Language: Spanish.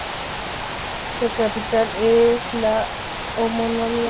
Su capital es la homónima Lípetsk.